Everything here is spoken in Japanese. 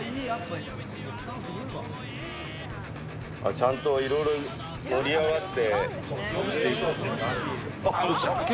ちゃんといろいろ盛り上がって。